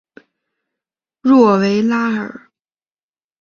诺维拉尔。